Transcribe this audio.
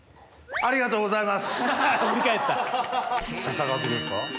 ありがとうございます。